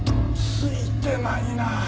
ついてないなあ。